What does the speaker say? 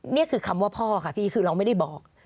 นี่คือคำว่าพ่อค่ะพี่คือเราไม่ได้บอก